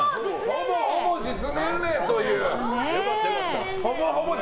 ほぼほぼ実年齢という。